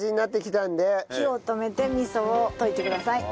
火を止めて味噌を溶いてください。